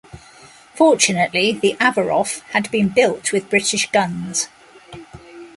Fortunately, the "Averof" had been built with British guns.